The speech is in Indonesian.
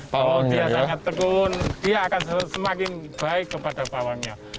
bahwa dia sangat tekun dia akan semakin baik kepada pawangnya